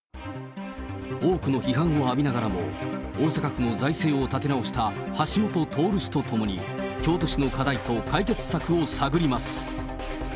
多くの批判を浴びながらも、大阪府の財政を立て直した橋下徹氏と共に、京都市の課題と解決策を探ります。